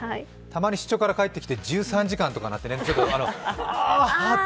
たまに出張から帰ってきて１３時間とかなってね、あっ！